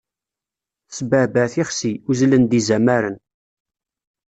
Tesbeɛbeɛ tixsi, uzzlen-d izamaren.